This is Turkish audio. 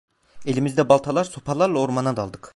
Elimizde baltalar, sopalarla ormana daldık.